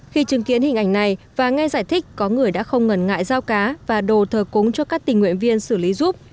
khi chứng kiến hình ảnh này và nghe giải thích có người đã không ngần ngại giao cá và đồ thờ cúng cho các tình nguyện viên xử lý giúp